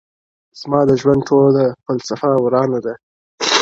زما د ژوند ټـــوله فـلـــــسفه ورانـــــــــــه ده،